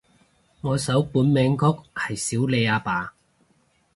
我首本名曲係少理阿爸